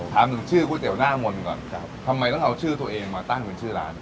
ถามถึงชื่อก๋วยเตี๋ยวหน้ามนต์ก่อนครับทำไมต้องเอาชื่อตัวเองมาตั้งเป็นชื่อร้าน